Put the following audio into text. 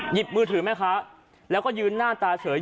หยิบมือถือแม่ค้าแล้วก็ยืนหน้าตาเฉย